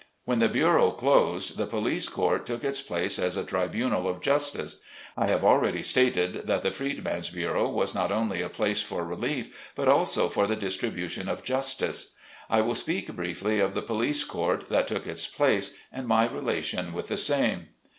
When the bureau closed, the Police Court took its place as a tribunal of justice. I have already stated, that the Freedman's Bureau was not only a place for relief, but also, for the distribution of justice. I will speak briefly of the Police Court, that took its place, and my relation with the same.